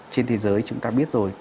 trên thế giới chúng ta biết rồi